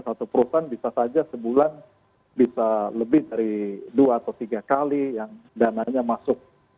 satu perusahaan bisa saja sebulan bisa lebih dari dua atau tiga kali yang dananya masuk